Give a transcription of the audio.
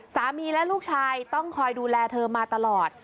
สามีและลูกชายต้องคอยดูแลเธอมาตลอด